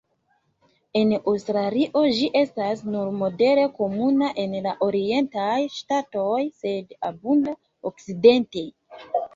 En Aŭstralio ĝi estas nur modere komuna en la orientaj ŝtatoj, sed abunda okcidente.